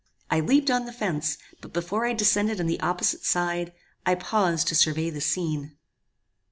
"I leaped on the fence; but before I descended on the opposite side, I paused to survey the scene.